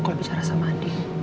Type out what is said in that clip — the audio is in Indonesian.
kalau bicara sama andin